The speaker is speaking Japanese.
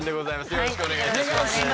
よろしくお願いします。